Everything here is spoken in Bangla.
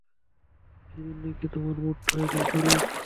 এই জন্যই কি তোমার মুডটা এখন খারাপ?